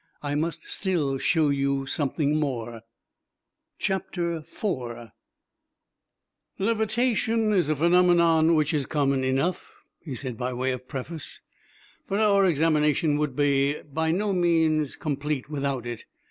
"I must still show you something more." IV "Levitation is a phenomenon which is common enough," he said by way of preface, "but our examination would by no means be complete without it.